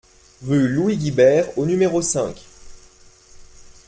Rue Louis Guibert au numéro cinq